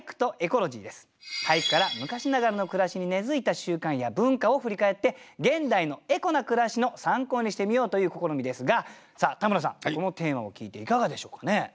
俳句から昔ながらの暮らしに根づいた習慣や文化を振り返って現代のエコな暮らしの参考にしてみようという試みですが田村さんこのテーマを聞いていかがでしょうかね？